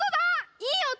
いいおと！